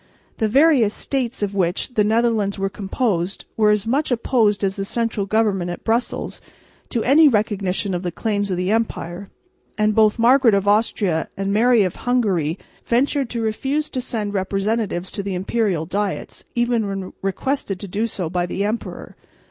The various states of which the Netherlands were composed were as much opposed as the central government at Brussels to any recognition of the claims of the empire; and both Margaret of Austria and Mary of Hungary ventured to refuse to send representatives to the imperial diets, even when requested to do so by the emperor.